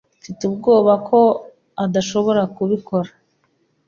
Mfite ubwoba ko adashobora kubikora.